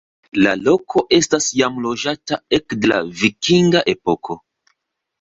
La loko estas jam loĝata ekde la vikinga epoko.